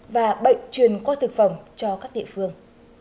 và bệnh truyền qua thực phẩm cho các địa phương